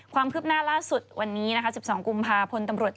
ความคืบหน้าล่าสุดวันนี้นะคะ๑๒กุมภาพลตำรวจ